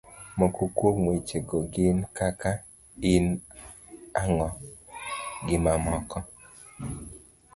moko kuom weche go gin kaka; in nang'o? gimamoko